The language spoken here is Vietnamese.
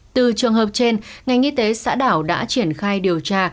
từ trường hợp trên ngành y tế xã đảo đã triển khai điều tra